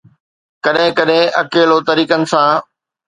ڪڏهن ڪڏهن اڪيلو طريقن سان